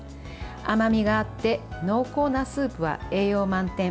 甘みがあって濃厚なスープは栄養満点。